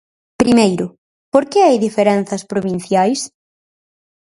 Primeiro, ¿por que hai diferenzas provinciais.